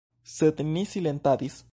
Sed ni silentadis.